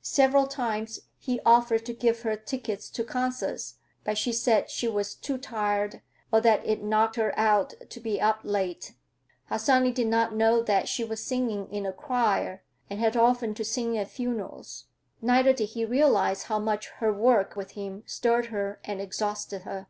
Several times he offered to give her tickets to concerts, but she said she was too tired or that it "knocked her out to be up late." Harsanyi did not know that she was singing in a choir, and had often to sing at funerals, neither did he realize how much her work with him stirred her and exhausted her.